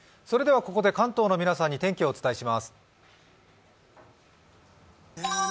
ここで関東の皆さんに天気をお伝えします。